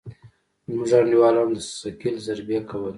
زموږ انډيوالانو د ثقيل ضربې کولې.